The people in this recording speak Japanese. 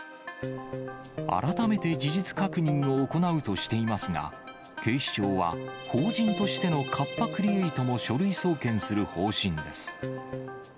改めて事実確認を行うとしていますが、警視庁は、法人としてのカッパ・クリエイトも書類送検する方針です。